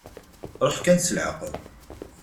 Ṛuḥ kan s leɛqel.